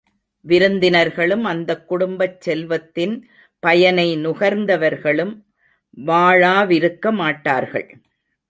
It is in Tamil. விருந்தினர்களும், அந்தக் குடும்பச் செல்வத்தின் பயனை நுகர்ந்தவர்களும் வாளாவிருக்க மாட்டார்கள்.